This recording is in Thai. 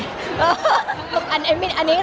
มันเป็นเรื่องน่ารักที่เวลาเจอกันเราต้องแซวอะไรอย่างเงี้ย